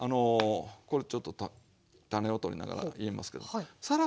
これちょっと種を取りながら言いますけどさら